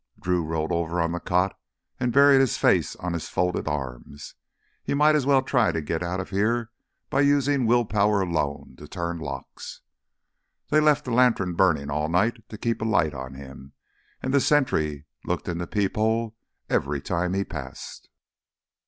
Drew rolled over on the cot and buried his face on his folded arms. He might as well try to get out of here by using will power alone to turn locks! They left the lantern burning all night to keep a light on him, and the sentry looked in the peephole every time he passed.